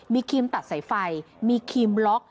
มีครีมตัดสายไฟมีครีมล็อก